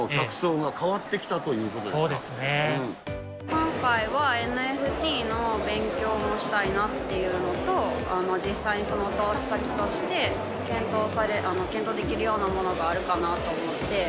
今回はＮＦＴの勉強をしたいなっていうのと、実際に投資先として検討できるようなものがあるかなと思って。